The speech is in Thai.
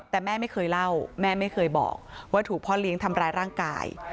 แต่แม่ไม่เคยเล่าแม่ไม่เคยบอกว่าถูกพ่อเลี้ยงทำร้ายร่างกาย